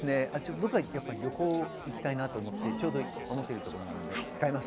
どっか旅行行きたいなと思って、ちょうど思ってるところなので、使います。